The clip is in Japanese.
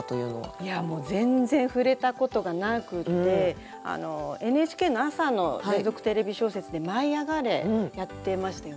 いやもう全然触れたことがなくてＮＨＫの朝の連続テレビ小説で「舞いあがれ！」やってましたよね。